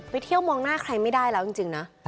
เที่ยวมองหน้าใครไม่ได้แล้วจริงนะ